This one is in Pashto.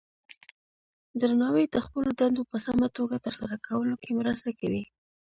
درناوی د خپلو دندو په سمه توګه ترسره کولو کې مرسته کوي.